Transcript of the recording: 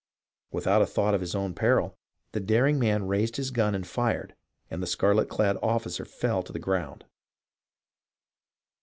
Without a thought of his own peril, the daring man raised his gun and fired, and the scarlet clad officer fell to the ground.